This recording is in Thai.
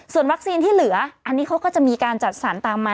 ส่วนวัคซีนที่เหลืออันนี้เขาก็จะมีการจัดสรรตามมา